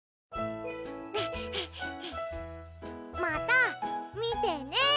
また見てね。